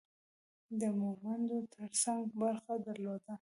د مومندو ترڅنګ برخه درلوده.